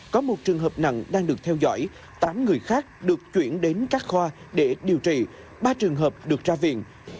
có một trường hợp nặng đang được theo dõi tám người khác được chuyển đến các khoa để điều trị ba trường hợp được ra viện